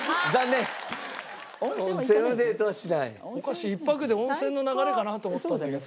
おかしい１泊で温泉の流れかなと思ったんだけど。